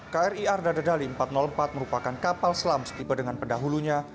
kri arda dedali empat ratus empat merupakan kapal selam setipe dengan pendahulunya